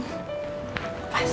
ini baru pas